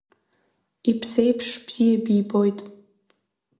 Иԥсеиԥш бзиа бибоит.